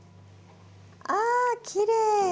あっきれい！